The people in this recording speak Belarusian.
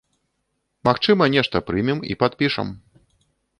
Магчыма, нешта прымем і падпішам.